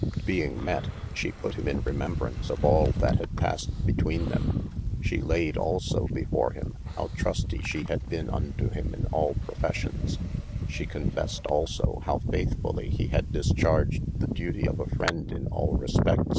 Being met, she put him in remembraunce of all that had passed betweene them : shee layde also before him * howe trusty she had bene unto him in all professions : she con fessed also howe faithfullye he had discharged the duety of a friend in al respedr.